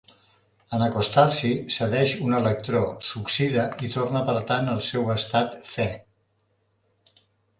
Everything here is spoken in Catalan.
En acostar-s'hi, cedeix un electró, s'oxida i torna per tant al seu estat Fe.